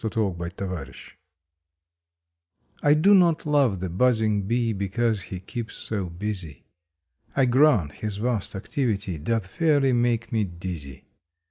August Twenty ninth THE BEE T DO not love the buzzing Bee because he keeps so busy. I grant his vast activity doth fairly make me dizzy.